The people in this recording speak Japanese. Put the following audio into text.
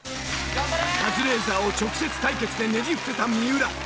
カズレーザーを直接対決でねじ伏せた三浦。